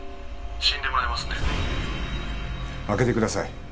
開けてください。